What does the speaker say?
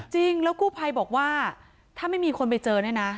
กู้ภัยบอกว่าถ้าไม่มีคนไปเจอเนี่ยนะ